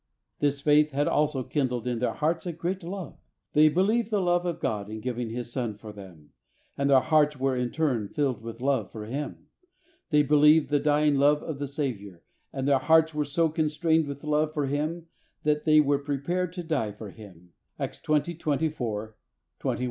This faith had also kindled in their hearts a great love. They believed the love of God in giving His Son for them, and their hearts were in turn filled with love for Him. They be lieved the dying love of the Saviour, and their hearts were so constrained with love for Him that they were prepared to die for Him, (Acts 20: 24; 21: 13.)